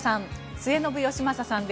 末延吉正さんです。